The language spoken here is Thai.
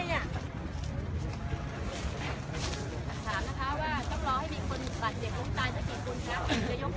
มีผู้ที่ได้รับบาดเจ็บและถูกนำตัวส่งโรงพยาบาลเป็นผู้หญิงวัยกลางคน